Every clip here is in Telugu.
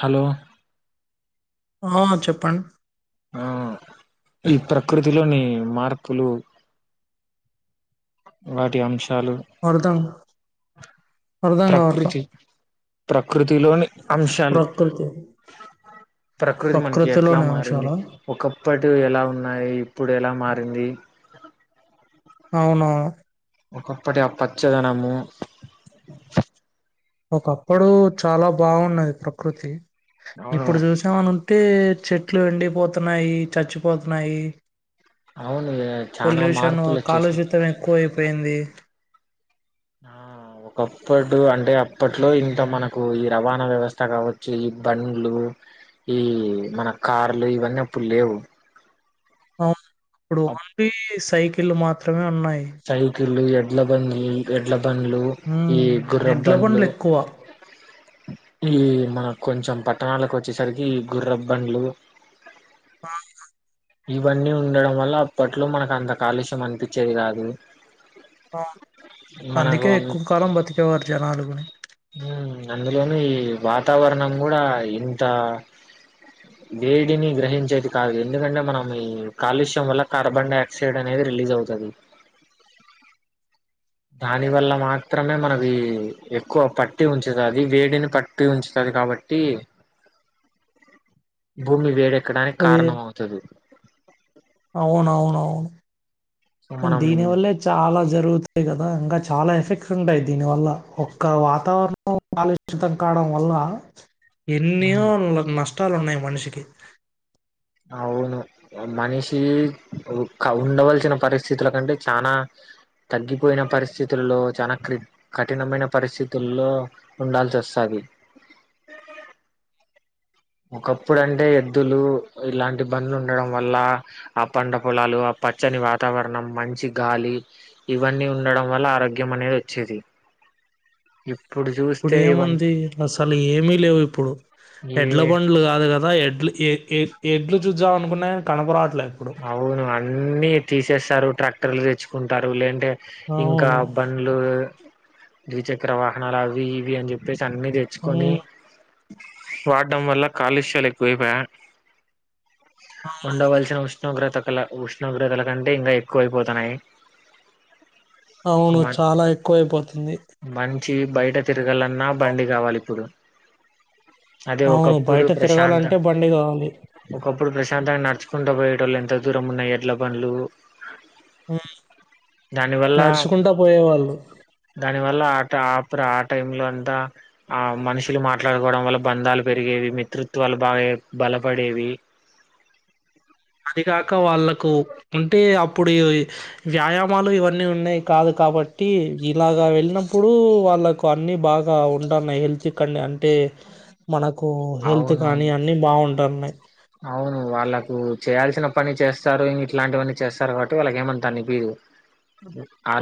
హలో ఆ చెప్పం ఆ ఈ ప్రకృతిలోని మార్పులు వాటి ఆంశ వళ్తాం ప్రకృతి ప్రకృతిలోని అంశాలు ప్రకృతి ప్రకృతి మనకి ఎట్లా ప్రకృతిలోని మారింది అంశాలా ఒకప్పటి ఎలా ఉన్నాయి ఇప్పుడు ఎలా మారింది అవునా ఒకప్పటి ఆ పచ్చదనము ఒకప్పుడు చాలా బాగున్నది ప్రకృతి అవును ఇప్పుడు చూసామని ఉంటే చెట్లు ఎండిపోతున్నాయి చచ్చిపోతున్నాయి అవును చానా పొల్యూషన్ మార్పులు వచ్చేసినాయి కాలుషితం ఎక్కువ అయిపోయింది ఆ ఒకప్పుడు అంటే అప్పట్లో ఇంత మనకు ఈ రవాణా వ్యవస్థ కావచ్చు ఈ బండ్లు ఈ మన కార్లు ఇవన్నీ అప్పుడు లేవు అవును అప్పుడు ఓన్లీ సైకిల్ మా త్రమే ఉన్నాయ్ సైకిల్ ఎ ఎడ్లబండ్లు ఎడ్ల బండ్లు ఈ ఉమ్ ఎడ్ల గుర్రబ్బండ్లు బండ్లు ఎక్కువ ఈ మన కొంచెం పట్టణాలకు వచ్చేసరికి గుర్రబ్బండ్లు [unintelligible] ఇవన్నీ ఉండడం వల్ల అప్పట్లో మనకు అంత కాలుష్యం అనిపిచ్చేది కాదు మనకు అందుకే ఎక్కువ కాలం బతికేవారు జనాలు గూడా హ్మ్ అందులోను ఈ వాతావరణం కూడా ఇంత వేడిని గ్రహించేది కాదు ఎందుకంటే మనం ఈ కాలుష్యం వల్ల కార్బన్ డైఆక్సైడ్ అనేది రిలీజ్ అవుతుది దాని వల్ల మాత్రమే మనది ఎక్కువ పట్టి ఉంచుతది వేడిని పట్టి ఉంచుతది కాబట్టి భూమి వేడ ఎక్కడానికి కారణం అవుతుది అవును అవును అవును సో మనం ఉమ్, దీనివల్లే చాలా జరుగుతాయి కదా ఇంకా చాలా ఎఫెక్ట్స్ ఉంటాయి దీనివల్ల ఒక్క వాతావరణం కాలుషితం కావడం వల్ల ఎన్నియో నష్ ట్టాలున్నాయి మనిషికి అవును మనిషి క ఉండవలసిన పరిస్థితుల కంటే చానా తగ్గిపోయిన పరిస్థితుల్లో చాలా క్రి కఠినమైన పరిస్థితుల్లో ఉండాల్సి వస్తాది ఒకప్పుడంటే ఎద్దులు ఇలాంటి బండ్లుండడం వల్ల ఆ పండ పొలాలు ఆ పచ్చని వాతావరణం మంచి గాలి ఇవన్నీ ఉండడం వల్ల ఆరోగ్యం అనేది వచ్చేది. ఇప్ ఇప్పుడు ఏముంది అసలు ఏమి లేవు ఇప్ ప్పుడు ఏ ఎడ్ల బండ్లు కాదు కద్ ద ఎడ్లు ఏ ఏ ఎడ్లు జుజ్జాం అనుకున్నా గని కనపరా అవును అన్ అన్నీ తీసేస్తారు ట్రాక్టర్లు తెచ్చుకుంటారు లేంటే ఇంకా అవును బండ్లు ద్విచక్ర వాహనాలవి ఇవి అని జెప్పేస్ టన్నీ దెచ్చుకోని ఉమ్, వాడ్డం వల్ల కాలుష్యాలు ఎక్కువైపోయా ఉండవల్సిన ఉష్ ఉష్ణోగ్రత కల ఉష్ణోగ్రతల కంటే ఇంగా ఎక్కువైపోతున్నాయి అవును చాలా ఎక్కువైపోతుంది చి బయట తిరగలన్నా బండి గావాలిప్పుడు అవును బయట తిరగాలంటే బండి గావాలి ఇప్పుడు ప్రశాంతంగా నడ్చుకుంట పొయిడ్ అటోలెంత దూరమున్నా ఎడ్ల బన్లు మ్మ్ వల్ల నడ్చుకుంటా పోయేవాళ్ళు ని వల్ల ఆట్ అప్రు ఆ టైమ్ లో అంతా ఆ మనుషులు మాట్లాడుకోడం వల్ల బంధాలు పెరిగేవి మిత్రుత్వాలు బాగా బలపడేవి. అది కాక వాళ్ళకు ఉంటే అప్పుడు ఎదో వ్యాయామాలు ఇవన్నీ ఉన్నాయి కాదు కాబట్టి ఇలాగా వెల్నప్పుడు వాళ్ళకు అన్ని బాగా ఉంటన్నాయి హెల్త్ ఐకన్నే అన్ అంటే మనకు హెల్త్ అవునవును కానీ అన్ని బావుంటన్నాయ్ అవును వాళ్ళకు చేయాల్సిన పని చేస్తారు ఇంగిట్లాంటి వన్ని చేస్తారు కాబట్టి వాళ్ళకేమంత అనిపీదు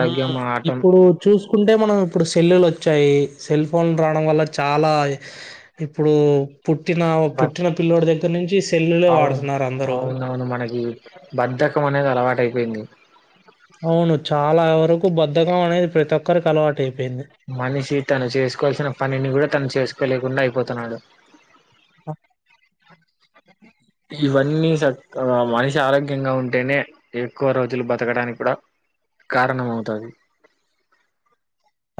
మ్మ్ ఇప్పుడు చూసుకుంటే మనం ఇప్పుడు సెళ్ళు లో చ్చాయి సెల్ ఫోన్ రాడం వల్ల చాలా ఇప్పుడు పుట్టిన బట్ పుట్టిన పిల్లోడి దగ్గర నుంచి సెల్లులే అవును వాడుతున్నారు అందరూ అవునవును మనకి బద్దకం అనేది అలవాటైపోయింది. అవును చాలా వర బద్ధకం అనేది ప్రతొక్కరికలవాటై మనిషి తను చేసుకోల్సిన పనిని గుడా తను చేసుకోలేకుండా ఐ పోతనాడు ఇవన్నీ సక్కగ మనిషి ఆరోగ్యంగా ఉంటేనే ఎక్కువ రోజులు బతకడానికి కూడా కారణంమవుతాది.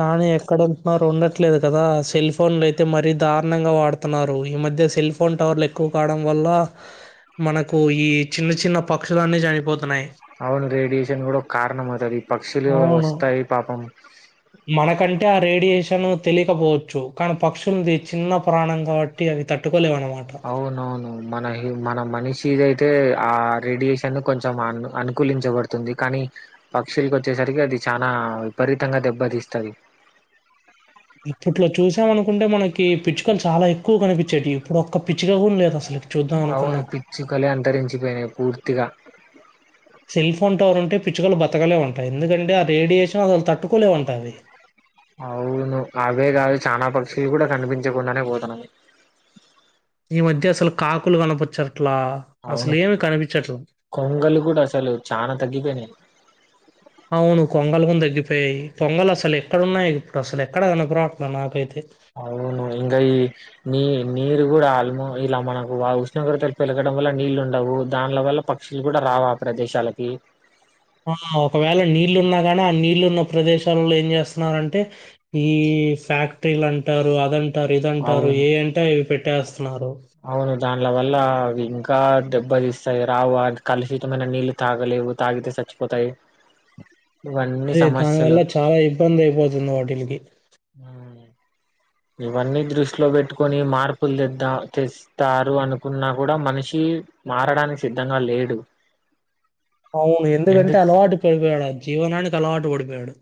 కానీ ఎక్కడుంట్నారు ఉండట్లేదు కదా సెల్ ఫోన్లైతే మరీ దారుణంగా వాడతన్నారు ఈ మధ్య సెల్ ఫోన్ టవర్లు ఎక్కువ కాడం వల్ల మనకు ఈ చిన్న చిన్న పక్షులన్ని చనిపోతు అవును రేడి [unintelligible] గూడొక్కారనమవ్తాది. అవును మనకంటే ఆ రేడియేషన్ తెలియకపోవచ్చు కానీ పక్షులు చిన్న ప్రాణం కాబట్టి అవి తట్టు అవునవునువును మన మన మనిషిద అయితే ఆ రేడియేషన్ కొంచెం అ అనుకూలించబడుతుంది కానీ పక్షులకి వచ్చేసరికి అది చాలనాా విపరీతంగా దెబ్బతీస్తుంది ఇప్పట్లో చూసమనుకుంటే మనకి పిచ్చుకలు చాలా ఎక్కువ కనిపించెటివి ఇప్పుడు ఒక్క పిచిక కూడా లేదు అసలు చూద్దాం అవును అనుకున్నా పిచ్చుకలే అంతరించిపోయినయి పూర్తిగా. [inaudible] సెల్ ఫోన్ టవర్ ఉంటే పిచ్చుకలు బతకలేవు అంట ఎందుకంటే ఆ రేడియేషన్ వల్ల తట్టుకోలేవు అంట అవి అవును అవే కాదు చానా పక్షులు కూడా కనిపించకుండానే పోతనయ్. ఈ మధ్య అసలు కాకులు కనపచ్చా ట్ల అవును అసలే ఏమి కనిపించట్ల కొంగలు కూడా అసలు చానా తగ్గిపోయినాయి అవును కొంగలు గుణ తగ్గిపోయాయి కొంగలు అసలు ఎక్కడన్నాయి ఇప్పుడు అసలు ఎక్కడ కనరాపట్ల నాకైతే అవును ఇంగ ఈ నీ నీరు కూడా ఆల్మ ఇలా మనకు ఆ ఉష్ణోగ్రతలు పెలగడం వల్ల నీళ్ళు ఉండవు. దాండ్ల వల్ల పక్షులు కూడా రావు ఆ ప్రదేశాలకి. ఆ ఒకవేళ నీళ్లు ఉన్న గణ ఆ నీళ్ళున్న ప్రదేశాలలో ఏం చేస్తున్నారంటే. ఈ ఫ్యాక్టరీలు అంటారు అద అంట టారూ ఇదంటారు అవును ఏ అంటే అవి పె. యస్ స్తున్నారో అవును దాండ్ల వల్ల అవి ఇంకా దెబ్బతిస్తాయి రావు కలుషితమైన నీళ్లు తాగలేవు తాగితే సచ్చిపోతాయి. అదే దానివల్ల చాలా ఇబ్బంది అయిపోతుంది వాటిలికి. ఇవన్నీ దృష్టిలో పెట్టుకొని మార్పులు తెద్ద తెస్తారు అనుకున్నా కూడా మనిషి మారడానికి సిద్ధంగా లేడు. అవును ఎందుకంటే ఎందుకు అలవాటు పడిపోయాడు ఆ జీవనానికి అలవాటు పడిపోయాడు.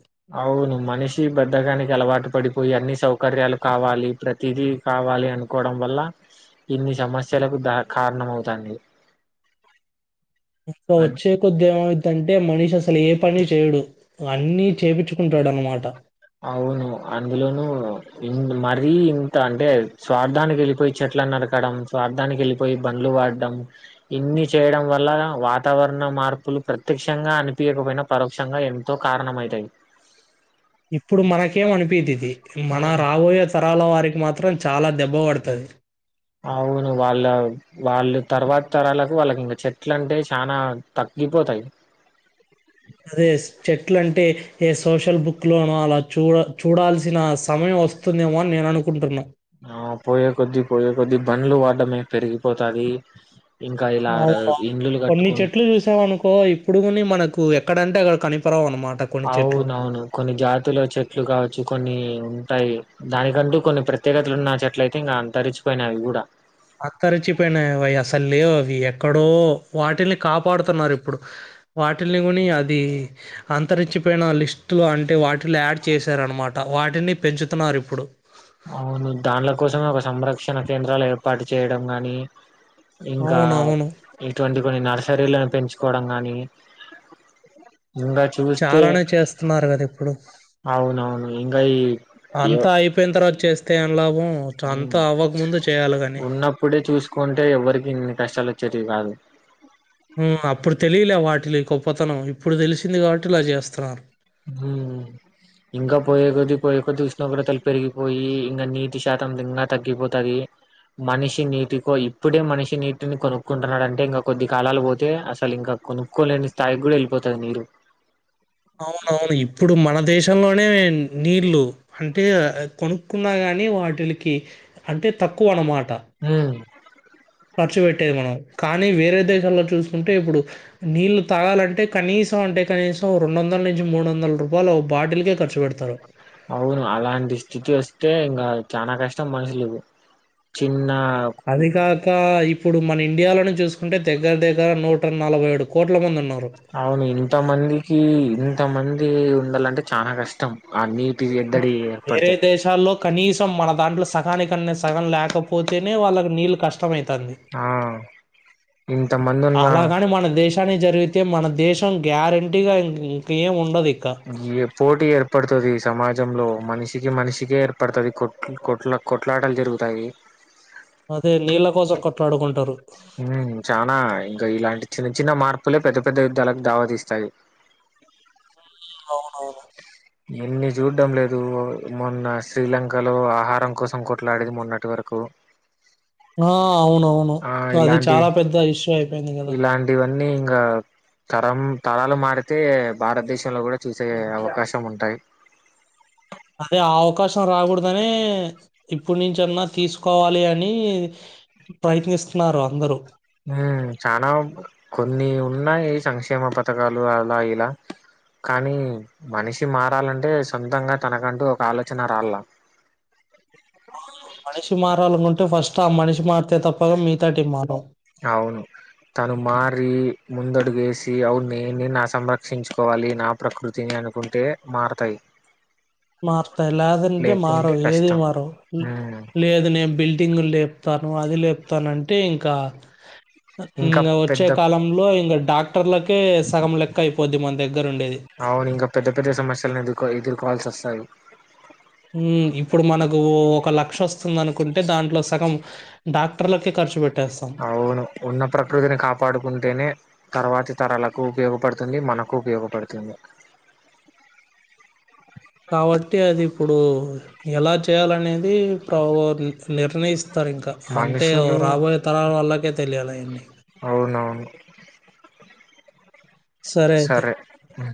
అవును మనిషి బాధకానికి అలవాటు పడిపోయి అన్ని సౌకర్యాలు కావాలి ప్రతిదీ కావాలి అనుకోవడం వల్ల ఇన్ని సమస్యలకు ద కారణమవుతుంది. ఇంకా అది వచ్చే కొధి ఏమవుందంటే మనిషి అసలు ఏ పని చేయడు. అన్నీ చేపిచ్చుకుంటాడు అన్నమాట. అవును అందులోనూ ఇన్ మరీ ఇంత అంటే స్వార్థానికి వెళ్ళిపోయి చెట్ల నరకడం స్వార్థానికి వెళ్ళిపోయి బండ్లు వాడం ఇన్ని చేయడం వల్ల వాతావరణ మార్పులు ప్రత్యక్షంగా అనిపియకపోయినా పరోక్షంగా ఎంతో కారణమయితాయి ఇప్పుడు మనకేం అనిపే ఇది మన హ్మ్. రావోయ త పట్టాల వారికి మాత్రం చాలా దెబ్బ పడుతది అవును వాళ్ళ వాళ్ళు తర్వాత తరాలకు వాళ్ళకి ఇంగ చెట్లు అంటే చనా తగ్గిపోతాయి. అదే చెట్లు అంటే ఏ సోషల్ బుక్ లోనో అలా చూడ చూడాల్సిన సమయం వస్తుందేమో అని నేను అనుకుంటున్నా ఆ పోయే కొద్ది పోయే కొద్ది బండ్లు వాడమే పెరిగిపోతది ఇంకా ఇలా ర అవునవును ఇండ్లులు కొన్ని కట్టుకుం చెట్లు చూసామ అనుకో ఇప్పుడు కొని మనకు ఎక్కడంటే అక్కడ కనిపరావు అన అవునవును కొన్ని జాతుల చెట్లు కావచ్చు కొన్ని టయి దానీకంటూ కొన్ని ప్రత్యేకతలు ఉన్న చెట్ల అయితే ఇంగ అంతరించిపోయినవి అవి కూడా అంతరించిపోయినవవి అసలు లేవు అవి ఎక్కడో వాటిని కాపాడుతున్నారు ఇప్పుడు వాటిని కొని అది అంతరించిపోయిన లిస్టులు అంటే వాటిని యాడ్ చేసారనమాట వాటిని పెంచుతున్నారు ఇప్పుడు. అవును దాండ్ల కోసమే ఒక సంరక్షణ కేంద్రాలు ఏర్పాటు చేయడం గాని ఇంకా అవునవును ఇటువంటివి కొన్ని నర్సరీలను పెంచుకోవడం కాగానీ. ఇంకా చూస్తే చాలానే చేస్తున్నారు కదా ఇప్పుడు అవునవును ఇంకా ఈ ఏ అంతా అయిపోయిన తర్వాత చేస్తే లాభం అంతా అవ్వకముందు చేయాలి కానీ ఉన్నప్పుడే చూసుకుంటే ఎవ్వరికి ఇన్ని కష్టాలు వచ్చేటవి కాదు అప్పుడు తెలియలే వాటిలి గొప్పతనం ఇప్పుడు తెలిసింది కాబట్టి ఇలా చేస్తున్నారు ఇంకా పోయే కొద్ది పోయే కొది ఉష్ణోగ్రతలు పెరిగిపోయి ఇంకా నీటి శాతం ఇంకా తగ్గిపోతది మనిషి నీటి కో ఇప్పుడే మనిషి నీటిని కొనుక్కుంటున్నాడంటే ఇంకా కొద్ది కాలాలు పోతే అసలు ఇంకా కొనుక్కోలేని స్థాయికి కూడా వెళ్ళిపోతది నీరు అవున అవును ఇప్పుడు మన దేశంలోనే నీళ్ళు అంటే కొనుక్కున్నా కానీ వాటికి అంటే తక్కువ అన్నమాట హ ఖర్చు పెట్టేది మనం కానీ వేరే దేశాల్లో చూసుకుంటే ఇప్పుడు నీళ్ళు తాగాలంటే కనీసం అంటే కనీసం రెండు వందల నుంచి మూడు వందల రూపాయలు బాటిల్కే ఖర్చు పెడతారు అవును అలాంటి స్థితి వస్తే ఇంకా చాల కష్టం మనుషులు చిన్న అది కాకా ఇ ఇప్పుడు మన ఇండియాలోని చూసుకుంటే దగ్గర దగ్గర నూట నలభై ఏడు కోట్లు అవును ఇంతమందికి ఇంత మంది ఉండాలంటే చాలా కష్టం ఆ నీటి ఎద్దడి వేరే ఏర్పడితే దేశాల్లో కనీసం మన దాంట్లో సగానికన్నా సగం లేకపోతేనే వాళ్ళకి నీళ్ళు కష్టమైంది ఆ ఇంత మందు ఉన్నా అలాగని మన జరిగితే మన దేశం గ్యారంటీగా ఇంకేం ఉండదు ఏ పోటీ ఏర్పడుతుంది సమాజ ప్రజంలో మనిషికి మనిషిికే ఏర్పడుతుంది కొట్ కొట్లా కొట్లాటలు జరుగుతాయి అదే నీళ్ళ కోసం కొట్లాడుకుంటారు ఉమ్ చానా ఇంకా ఇలాంటి చిన్న చిన్న మార్పులే పెద్ద పెద్ద యుద్ధాలకు దావాతీస్తాయి అవునవును ఎన్ని చూడ్డం లేదు మొన్న శ్రీలంకలో ఆహారం కోసం కొట్లాడేది మొన్నటి వరకు హ అవునవును ఆ సో అది ఇలాంటి చాలా పెద్ద ఇష్యూ అయిపోయింది కదా ఇంకా తరం తరాలు మారితే భారతదేశంలో కూడా చూసే అవకాశం ఉంటాయి అదే ఆ అవకాశం రాకూడదనే ఇప్పుటి నుంచన్నా తీసుకోవాలి అని ప్రయత్నిస్తున్నారు అందరూ హ చనాా కొన్ని ఉన్నాయి సంక్షేమ పథకాలు అలా ఇలా కానీ మనిషి మారాలంటే సొంతంగా తనకంటూ ఒక ఆలోచన రాలాల మనిషి మారాలంట ఫస్ట్ ఆ మనిషి మారుతే తప్పగా మీితాటి మనం అవును తను మారి ముందడుగేసి అవు నేని నా సంరక్షించుకోవాలి నా ప్రకృతిని అనుకుంటే మారతాయి మారుతాయి లేదంటే లేకుంటే మారవు ఏది కష్టం మారవు ఉమ్ లేద నేను బిల్డింగ్ లేపుతాను అది లేపుతానంటే ఇంకా కా ఇంకా ఇంగ వచ్చే పెద్ద కాలంలో ఇంగ టాక్ టాక్టర్లకే సగం లెక్క అయిపోద్ది మన దగ్గర ఉండేది. పెద్ధ పెద్ద సమస్యలను ఎదుర్కో ఎదుర్కోవాల్సి వస్తాయి ఊ ఇప్పుడు మనకు ఒక లక్ష వస్తుంది అనుకుంటే దాంట్లో సగం డాక్టర్లకే ఖర్చు పెట్ అవును ఉన్న ప్రకృతిని కాపాడుకుంటేనే తర్వాతి తరాలకు ఉపయోగపడుతుంది మనకు ఉపయోగపడుతుంది. కాబట్టి అది ఇప్పుడు ఎలా చేయాలనేది ది ప్రూ నిఫ్లెర్ తనే ఇస్త్ స్తారు ఇంకా అంటే మనుషులు రాబోయే తరాల వల్లకే తెలియాలి అయన్ని అవునవును సరే అ